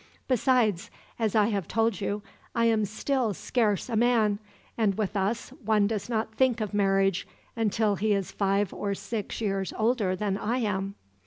Besides, as I have told you, I am still scarce a man; and with us, one does not think of marriage until he is five or six years older than I am."